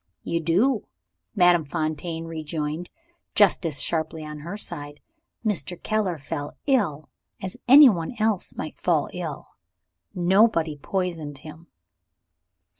"You do," Madame Fontaine rejoined, just as sharply on her side. "Mr. Keller fell ill, as anyone else might fall ill. Nobody poisoned him."